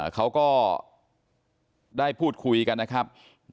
เขาก็ได้พูดคุยกันนะครับ